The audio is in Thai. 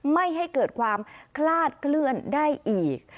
ไม่ให้เกิดความคลาดเคลื่อนได้อีก